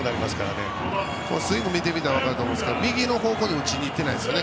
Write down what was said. スイングを見てみたら分かると思いますが右の方向に打ちにいってないですよね。